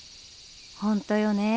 本当よね。